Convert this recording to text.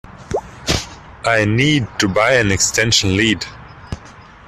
I need to buy an extension lead